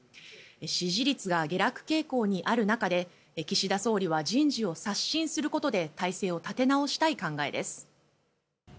支持率が下落傾向にある中で岸田総理は人事を刷新することで体制を立て直したい考えです。